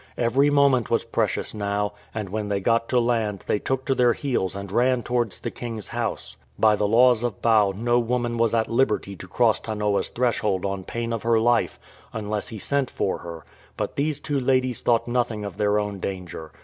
Every moment was precious now, and when they got to land they took to their heels and ran towards the king's house. By the laws of Bau no woman was at liberty to cross Tanoa's threshold on pain of her life, unless he sent for her; but these two ladies thought nothing of their own danger.